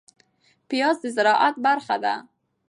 پياز د زراعت برخه ده